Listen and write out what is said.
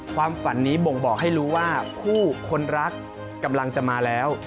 ความฝันนี้บ่งบอกให้รู้ว่าคู่คนรักกำลังจะมาแล้ว